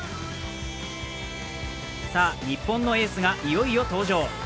さあ、日本のエースがいよいよ登場。